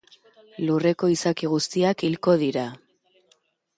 Lurreko izaki guztiak hilko dira.